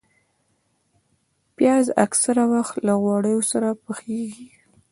پیاز اکثره وخت له غوړو سره پخېږي